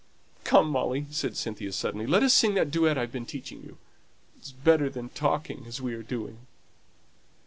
"Come, Molly," said Cynthia, suddenly; "let us sing that duet I've been teaching you; it's better than talking as we are doing."